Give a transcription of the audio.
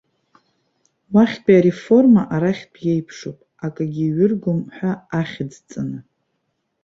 Уахьтәи ареформа арахьтәи еиԥшуп, акагь еиҩыргом ҳәа ахьӡҵаны.